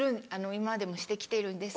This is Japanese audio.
今までもして来てるんです。